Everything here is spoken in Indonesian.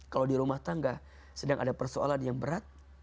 kalau di rumah tangga sedang ada persoalan yang berat